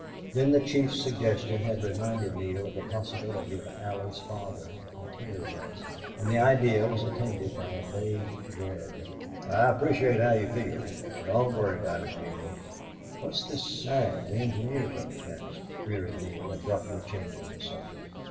Then the chief's suggestion had reminded Neale of the possibility of Allie's father materializing. And the idea was attended by a vague dread. "I appreciate how you feel. Don't worry about it, Neale." "What's this snag the engineers are up against?" queried Neale, abruptly changing the subject.